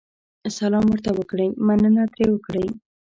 سلام ورته وکړئ، مننه ترې وکړئ.